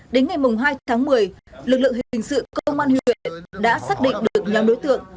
đến ngày hai tháng một mươi lực lượng hình sự công an huyện đã xác định được nhóm đối tượng